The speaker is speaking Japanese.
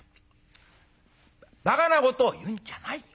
「ばかなことを言うんじゃないよ。